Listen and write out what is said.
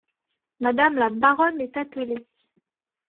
Madame la baronne est attelée !…